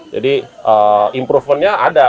jadi improvement nya ada